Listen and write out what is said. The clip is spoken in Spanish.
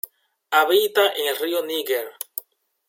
Habita en el Río Níger.